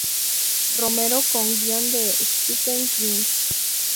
Romero con guion de Stephen King.